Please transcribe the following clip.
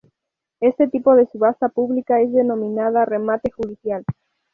Este tipo de subasta pública es denominada "remate judicial".